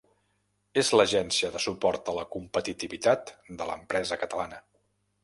És l'agència de suport a la competitivitat de l'empresa catalana.